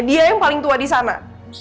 dia yang paling tua di sana